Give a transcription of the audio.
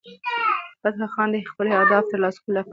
فتح خان د خپلو اهدافو د ترلاسه کولو لپاره پلان جوړ کړ.